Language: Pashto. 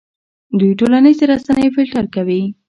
دوی ټولنیزې رسنۍ فلټر کوي.